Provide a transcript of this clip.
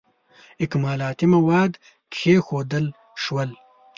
اکمالاتي مواد کښېښودل شول.